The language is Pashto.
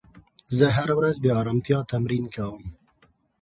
زه هره ورځ د ارامتیا تمرین کوم.